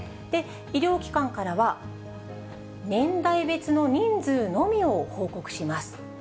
医療機関からは、年代別の人数のみを報告します。